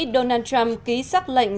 donald trump ký sắc lệnh